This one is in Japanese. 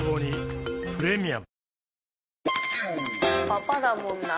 パパだもんな。